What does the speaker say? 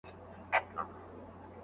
ملتونه کله د اتباعو ساتنه کوي؟